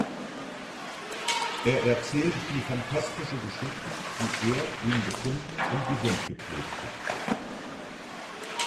Er erzählt die phantastische Geschichte, wie "Er" ihn gefunden und gesundgepflegt hat.